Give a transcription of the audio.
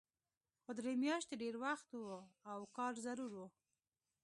خو درې میاشتې ډېر وخت و او کار ضرور و